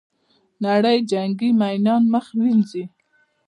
نړۍ جنګي میینان مخ ووینځي.